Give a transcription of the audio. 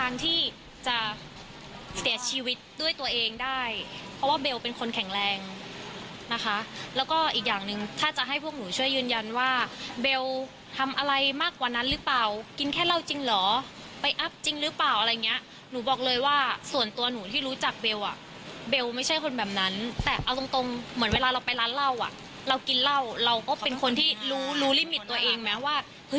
เราก็เป็นคนที่รู้ลิมิตตัวเองแม้ว่าไม่ไหวแล้ววะ